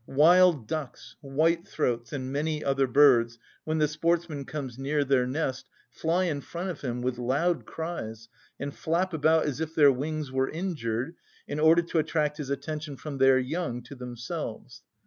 Wild ducks, white‐throats, and many other birds, when the sportsman comes near their nest, fly in front of him with loud cries and flap about as if their wings were injured, in order to attract his attention from their young to themselves.